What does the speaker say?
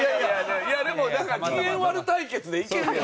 いやでもなんか機嫌悪対決でいける。